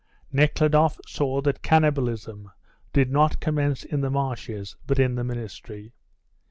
Nekhludoff saw that cannibalism did not commence in the marshes, but in the ministry.